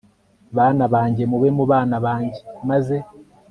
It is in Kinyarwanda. bana banjye (mube mu bana banjye),maze